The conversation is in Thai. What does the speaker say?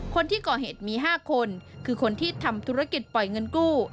คนที่ก่อเหตุมี๕คนคือคนที่ทำธุรกิจปล่อยเงินกู้